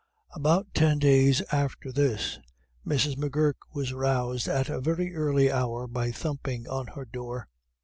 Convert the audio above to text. About ten days after this Mrs. M'Gurk was roused at a very early hour by a thumping on her door.